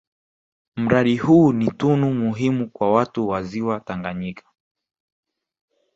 Mradi huu ni tunu muhimu kwa watu wa Ziwa Tanganyika